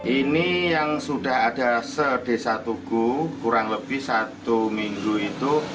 ini yang sudah ada sedesa tugu kurang lebih satu minggu itu